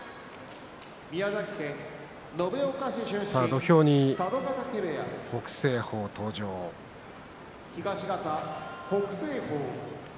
土俵に北青鵬登場です。